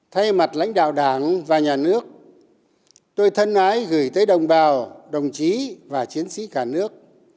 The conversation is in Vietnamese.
thay mặt lãnh đạo đảng và nhà nước tôi thân ái gửi tới đồng bào đồng chí và chiến sĩ cả nước